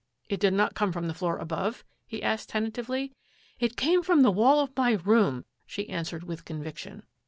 " It did not come from the floor above? " he asked tentatively. " It came from the wall of my room," she an swered with conviction.